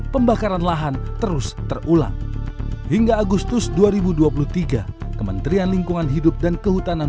pembakaran lahan terus terulang hingga agustus dua ribu dua puluh tiga kementerian lingkungan hidup dan kehutanan